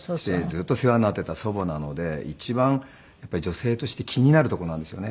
ずっと世話になっていた祖母なので一番女性として気になるとこなんですよね。